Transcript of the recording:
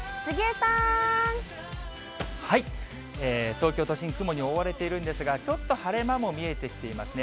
東京都心、雲に覆われているんですが、ちょっと晴れ間も見えてきていますね。